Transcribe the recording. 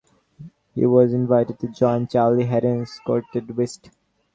He was invited to join Charlie Haden's Quartet West.